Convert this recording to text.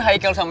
bapak cek aja